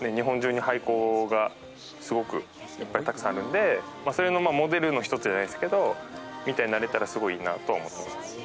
日本中に廃校がすごくたくさんあるんで、それのモデルの一つじゃないですけど、みたいになれたらすごいいいなとは思っています。